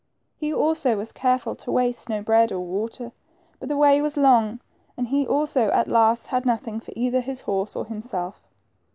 He also was careful to waste no bread or water, but the way was long, and he also at last had noth ing for either his horse or himself.